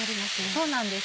そうなんです。